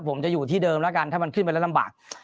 ผมจะอยู่ที่เดิมแล้วกันถ้ามันขึ้นไปแล้วลำบาก